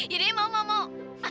yaudah ya mau mau mau